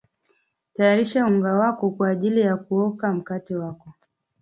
Tayarisha unga wako kwa ajili ya kuoka mkate wako